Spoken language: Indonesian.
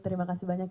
terima kasih banyak